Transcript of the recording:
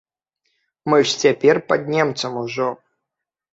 Мы ж цяпер пад немцам ужо.